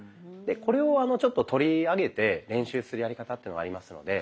これをちょっと取り上げて練習するやり方っていうのがありますので。